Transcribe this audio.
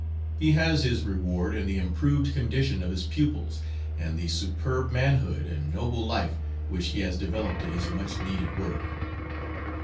He has his reward in the improved condition of his pupils and the superb manhood and noble life which he has developed in his much needed work.